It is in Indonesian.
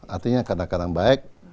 artinya kadang kadang baik